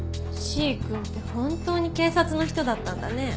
しーくんって本当に警察の人だったんだねえ。